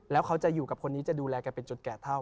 แล้วเขาจะอยู่กับคนนี้จะดูแลแกเป็นจุดแก่เท่า